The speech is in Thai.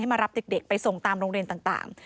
มารับเด็กไปส่งตามโรงเรียนต่าง